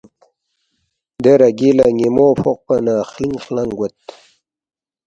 دے رَگی لہ نِ٘یمو فوقپا نہ خِلِنگ خلِنگ گوید